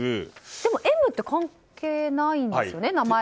でもＭって関係ないんですよね名前。